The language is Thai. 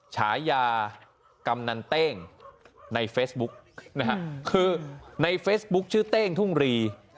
ฉายากำนันเต้งในเฟซบุ๊กนะฮะคือในเฟซบุ๊คชื่อเต้งทุ่งรี